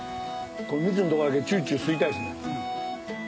蜜んとこだけチュウチュウ吸いたいですね。